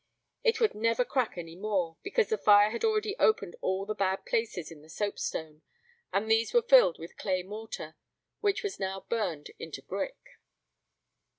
It would never crack any more, because the fire had already opened all the bad places in the soapstone, and these were filled with clay mortar, which was now burned into brick.